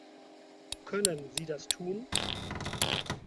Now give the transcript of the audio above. Können Sie das tun?